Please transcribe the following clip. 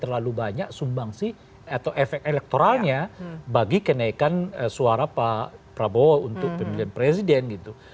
terlalu banyak sumbangsi atau efek elektoralnya bagi kenaikan suara pak prabowo untuk pemilihan presiden gitu